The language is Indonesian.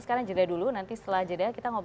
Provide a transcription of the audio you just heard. sekarang jeda dulu nanti setelah jeda kita mau